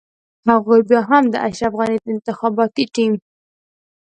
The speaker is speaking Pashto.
هغوی بيا هم د اشرف غني انتخاباتي ټيم.